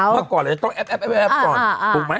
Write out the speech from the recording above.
ว่าก่อนเลยต้องแอ๊บก่อน